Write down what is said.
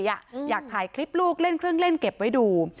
อยากถ่ายคลิปลูกเล่นเครื่องเล่นเก็บไว้ดู